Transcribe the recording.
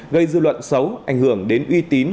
gây dư luận xấu ảnh hưởng đến uy tín